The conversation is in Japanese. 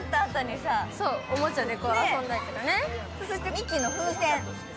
ミッキーの風船。